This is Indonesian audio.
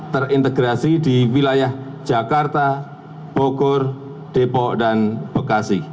terintegrasi di wilayah jakarta bogor depok dan bekasi